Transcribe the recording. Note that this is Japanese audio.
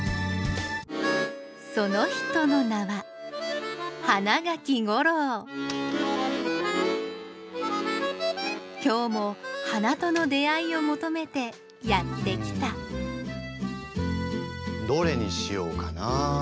その人の名は今日も花との出会いを求めてやって来たどれにしようかな？